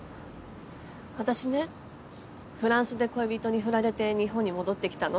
私ねフランスで恋人に振られて日本に戻ってきたの。